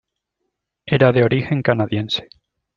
Era de origen canadiense.